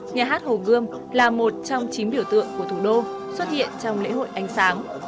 nhà hát hồ gươm là một trong chín biểu tượng của thủ đô xuất hiện trong lễ hội ánh sáng